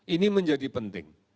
ini menjadi penting